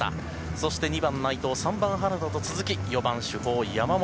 そして２番、内藤３番、原田と続き４番は主砲、山本。